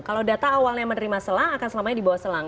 kalau data awalnya menerima selang akan selamanya dibawa selang